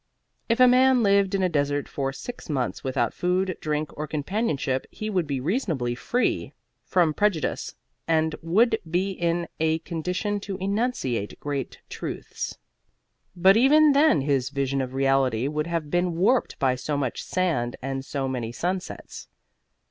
If a man lived in a desert for six months without food, drink or companionship he would be reasonably free from prejudice and would be in a condition to enunciate great truths. But even then his vision of reality would have been warped by so much sand and so many sunsets.